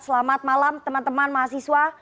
selamat malam teman teman mahasiswa